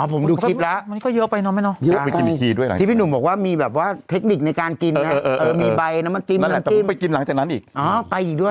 อ๋อผมดูคลิปแล้ว